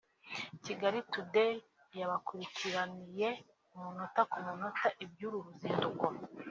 Kigali Today yabakurikiraniye umunota ku munota iby’uru ruzinduko